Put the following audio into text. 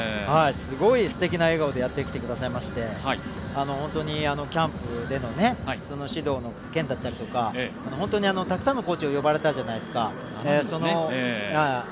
すごいすてきな笑顔でやって来てくださいましてキャンプでの指導の件だったりとか、本当にたくさんコーチを呼ばれたじゃないですか。